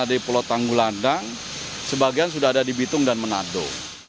di pulau tanggulandang sebagian sudah ada di bitung dan menado